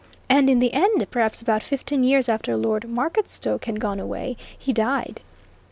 And in the end, perhaps about fifteen years after Lord Marketstoke had gone away, he died.